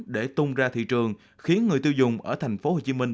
để tung ra thị trường khiến người tiêu dùng ở thành phố hồ chí minh